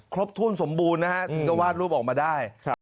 ครบถ้วนสมบูรณ์นะฮะถึงก็วาดรูปออกมาได้